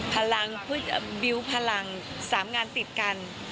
พลังเบี้ยวพลัง๓งานติดกัน